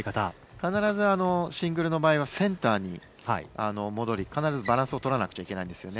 必ずシングルの場合はセンターに戻り必ずバランスを取らなくちゃいけないんです。